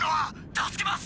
助けます！